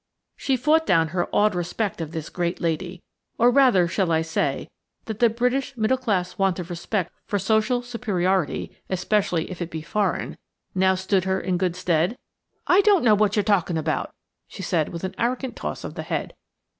She fought down her awed respect of this great lady; or rather shall I say that the British middle class want of respect for social superiority, especially if it be foreign, now stood her in good stead? "I don't know what you are talking about," she said with an arrogant toss of the head.